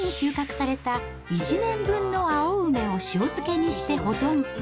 春に収穫された１年分の青梅を塩漬けにして保存。